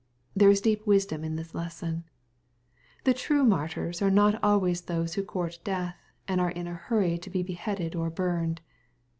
There is deep wisdom in this lesson. fThe true martyrs are not always those who court death, and are in a hurry to be beheaded or burned.